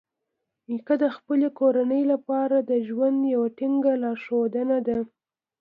نیکه د خپلې کورنۍ لپاره د ژوند یوه ټینګه لارښونه ده.